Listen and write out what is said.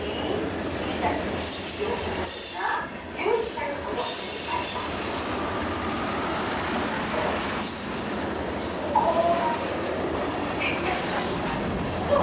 君達よーく覚えときな結城沙世子の恋愛講座こうなって突っ走る恋は絶対にうまくいかないそう！